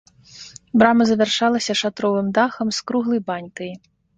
Брама завяршалася шатровым дахам з круглай банькай.